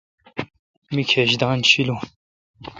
می کھیج دن شیلون۔